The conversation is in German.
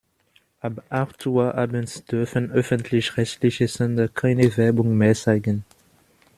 Ab acht Uhr abends dürfen öffentlich-rechtliche Sender keine Werbung mehr zeigen.